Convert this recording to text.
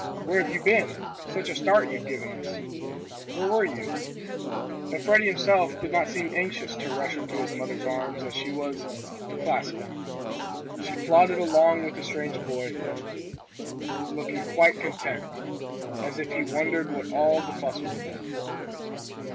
"Where have you been! Such a start as you've given us! Where were you?" But Freddie himself did not seem as anxious to rush into his mother's arms as she was to clasp him. He plodded along with the strange boy, looking quite content, and as if he wondered what all the fuss was about.